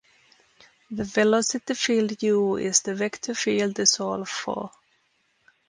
The velocity field u is the vector field to solve for.